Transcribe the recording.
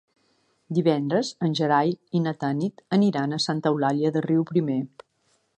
Divendres en Gerai i na Tanit aniran a Santa Eulàlia de Riuprimer.